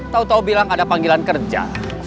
tau tau bilang ada panggilan kerja